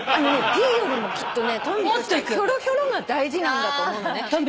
ピーよりもきっとねトンビとしてはヒョロヒョロが大事なんだと思うのね。